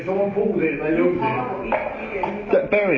โอ้โอ้อาฮิม